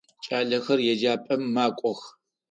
Кӏалэхэр еджапӏэм макӏох.